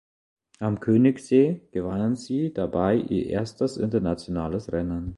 Am Königssee gewannen sie dabei ihr erstes internationales Rennen.